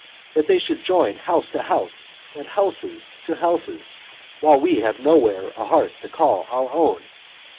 That they should join house to house and houses to houses, while we have nowhere a hearth to call our own